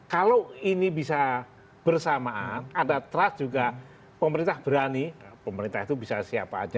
kalau ini bisa bersamaan ada trust juga pemerintah berani pemerintah itu bisa siapa aja